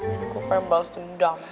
jadi gue pengen balas dendam